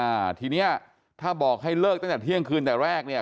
อ่าทีเนี้ยถ้าบอกให้เลิกตั้งแต่เที่ยงคืนแต่แรกเนี่ย